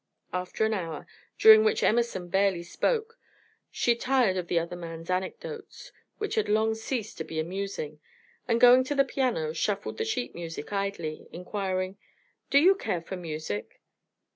After an hour, during which Emerson barely spoke, she tired of the other man's anecdotes, which had long ceased to be amusing, and, going to the piano, shuffled the sheet music idly, inquiring: "Do you care for music?"